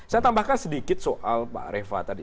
saya tambahkan sedikit soal pak reva tadi